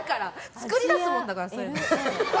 作り出すものだから！